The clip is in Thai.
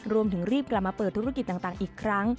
รีบกลับมาเปิดธุรกิจต่างอีกครั้ง